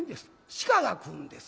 鹿が食うんです。